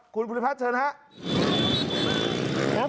คุณภูริพัฒน์เชิญครับ